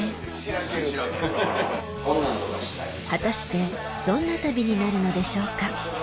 果たしてどんな旅になるのでしょうか？